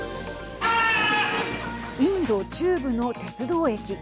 インド中部の鉄道駅。